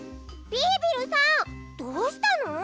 ビービルさんどうしたの？